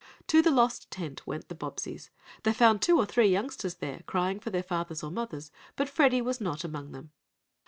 To the lost tent went the Bobbseys. They found two or three youngsters there, crying for their fathers or mothers, but Freddie was not among them.